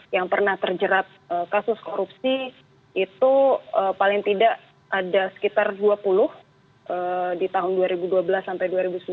yang pernah terjerat kasus korupsi itu paling tidak ada sekitar dua puluh di tahun dua ribu dua belas sampai dua ribu sembilan belas